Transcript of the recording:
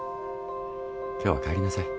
今日は帰りなさい。